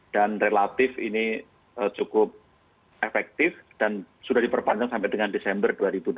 dan relatif ini cukup efektif dan sudah diperpanjang sampai dengan desember dua ribu dua puluh